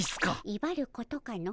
いばることかの。